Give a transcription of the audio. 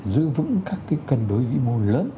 giữ vững các cái cân đối vĩ mô lớn